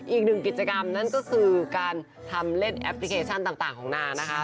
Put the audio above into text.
อีกหนึ่งกิจกรรมนั่นก็คือการทำเล่นแอปพลิเคชันต่างของนางนะคะ